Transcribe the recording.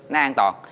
nó an toàn